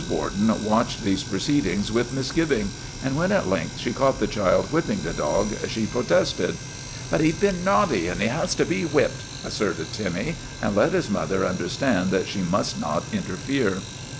Borden watched these proceedings with mis giving, and when at length she caught the child whipping the dog she protested. " But he 's been naughty and he has to be whipped," asserted Timmy, and let his mother un derstand that she must not interfere.